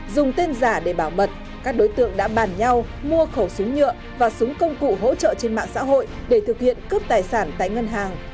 dùng tên giả để bảo mật các đối tượng đã bàn nhau mua khẩu súng nhựa và súng công cụ hỗ trợ trên mạng xã hội để thực hiện cướp tài sản tại ngân hàng